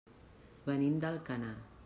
Venim d'Alcanar.